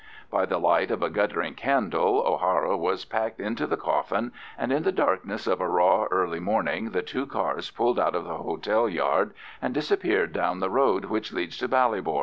By the light of a guttering candle O'Hara was packed into the coffin, and in the darkness of a raw early morning the two cars pulled out of the hotel yard, and disappeared down the road which leads to Ballybor.